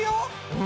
うん。